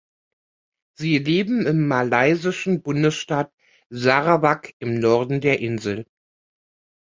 Sie leben im malaysischen Bundesstaat Sarawak im Norden der Insel.